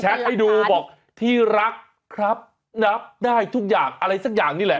ให้ดูบอกที่รักครับนับได้ทุกอย่างอะไรสักอย่างนี่แหละ